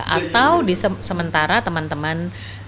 atau di sementara teman teman